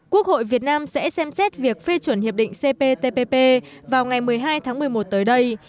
quốc hội việt nam sẽ xem xét việc phê chuẩn hiệp định cptpp vào ngày một mươi hai tháng một mươi một tới đây